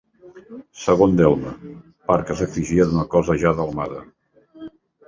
Segon delme, part que s'exigia d'una cosa ja delmada.